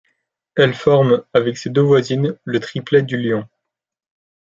Elle forme, avec ses deux voisines, le triplet du Lion.